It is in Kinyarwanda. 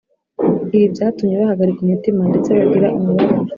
. Ibi byatumye bahagarika umutima ndetse bagira umubabaro